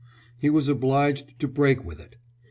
He was obliged to break with it.